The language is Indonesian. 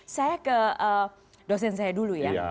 saya ke dosen saya dulu ya